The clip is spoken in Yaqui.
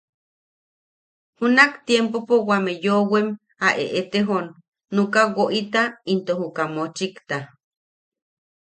Junak tiempopo wame yoʼowem a eʼetejon nuka woʼita into juka mochikta.